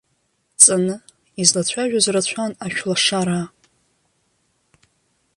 Ҵаны, излацәажәоз рацәан ашәлашараа.